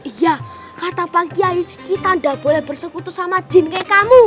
iya kata pagi ayi kita nggak boleh bersekutu sama jin kayak kamu